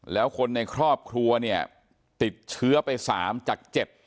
แล้วคนในครอบครัวเนี่ยติดเชื้อไปสามจากเจ็ด